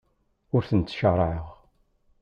Ur tent-ttcaṛaɛeɣ.